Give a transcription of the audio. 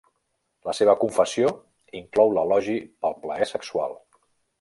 La seva confessió inclou l'elogi pel plaer sexual.